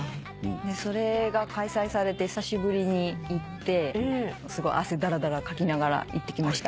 それが開催されて久しぶりに行ってすごい汗だらだらかきながら行ってきました。